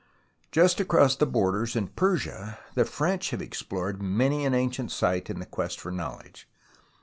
Just across the borders in Persia the French have explored many an ancient site in the quest for knowledge.